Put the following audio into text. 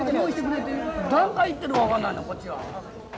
何階言ってるか分かんないんだこっちは。